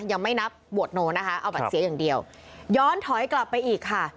ยังไม่นับโหวตโนนะคะเอาบัตรเสียอย่างเดียวย้อนถอยกลับไปอีกค่ะ